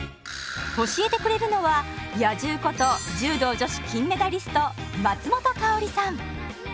教えてくれるのは「野獣」こと柔道女子金メダリスト松本薫さん。